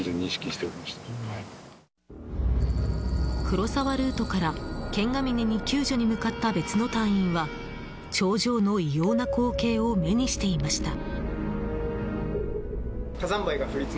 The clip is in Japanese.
黒沢ルートから剣ヶ峰に救助に向かった別の隊員は頂上の異様な光景を目にしていました。